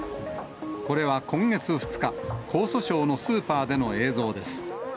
これは今月２日、江蘇省のスーパーでの映像です。